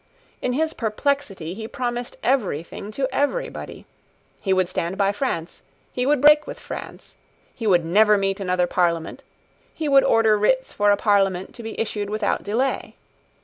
In his perplexity he promised everything to everybody. He would stand by France: he would break with France: he would never meet another Parliament: he would order writs for a Parliament to be issued without delay.